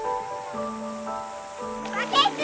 バケツ！